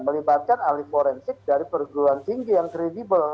melibatkan ahli forensik dari perguruan tinggi yang kredibel